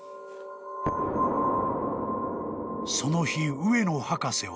［その日上野博士は］